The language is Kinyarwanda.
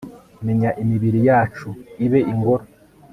menya imibiri yacu, ibe ingoro